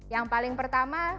yang paling pertama